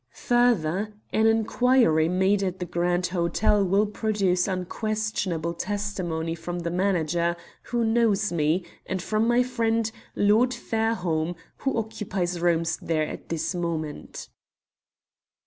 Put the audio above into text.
Further, an inquiry made at the Grand Hotel will produce unquestionable testimony from the manager, who knows me, and from my friend, Lord Fairholme, who occupies rooms there at this moment."